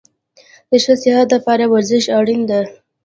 د ښه صحت دپاره ورزش اړین ده